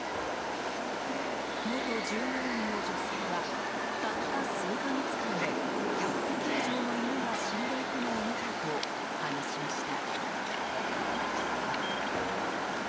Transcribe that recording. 元従業員の女性はたった数か月間で１００匹以上の犬が死んでいくのを見たと話しました。